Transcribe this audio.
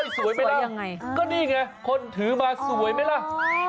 สวยไหมล่ะยังไงก็นี่ไงคนถือมาสวยไหมล่ะ